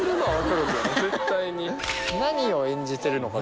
何を演じてるのかがね。